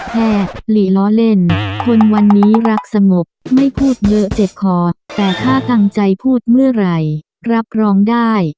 หลีล้อเล่นคนวันนี้รักสงบไม่พูดเยอะเจ็บคอแต่ถ้าตั้งใจพูดเมื่อไหร่รับรองได้